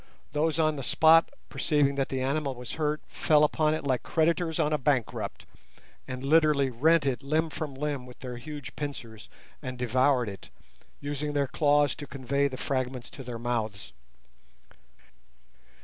Those on the spot perceiving that the animal was hurt fell upon it like creditors on a bankrupt, and literally rent it limb from limb with their huge pincers and devoured it, using their claws to convey the fragments to their mouths.